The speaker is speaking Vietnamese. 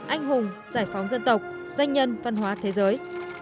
anh hùng giải phóng dân tộc danh nhân văn hóa thế giới